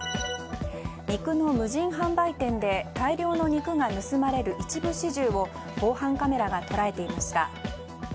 肉の無人販売店で大量の肉が盗まれる一部始終を防犯カメラが捉えていました。